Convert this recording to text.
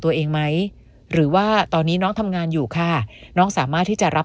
ตัวเองไหมหรือว่าตอนนี้น้องทำงานอยู่ค่ะน้องสามารถที่จะรับ